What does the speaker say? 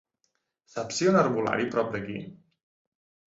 Saps si hi ha un herbolari prop d'aquí?